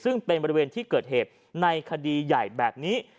ซึ่งเป็นบริเวณที่เกิดเหตุในคดีใหญ่แบบนี้